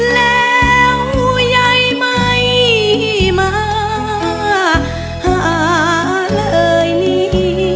แล้วยายไม่มาหาเลยนี่